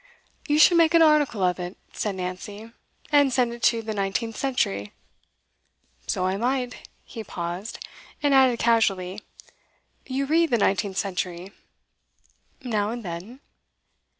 'You should make an article of it,' said Nancy, 'and send it to The Nineteenth Century.' 'So I might.' He paused, and added casually, 'You read The Nineteenth Century?' 'Now and then.